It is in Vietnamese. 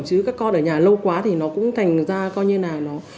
chứ các con ở nhà lâu quá thì nó cũng thành ra coi như là nó